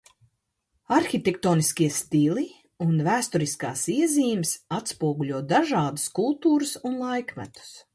Arhitektoniskie stili un vēsturiskās iezīmes atspoguļo dažādas kultūras un laikmetus.